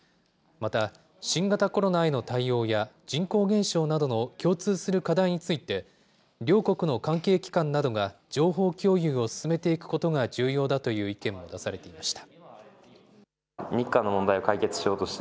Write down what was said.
また新型コロナへの対応や、人口減少などの共通する課題について、両国の関係機関などが情報共有を進めていくことが重要だという意見も出されていました。